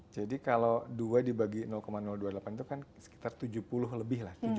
jadi kalau dua dibagi dua puluh delapan itu kan sekitar tujuh puluh lebih lah